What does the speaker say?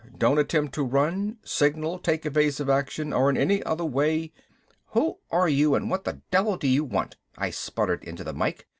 Don't attempt to run, signal, take evasive action, or in any other way...." "Who are you and what the devil do you want?" I spluttered into the mike.